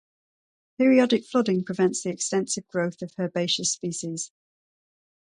Periodic flooding prevents the extensive growth of herbaceous species.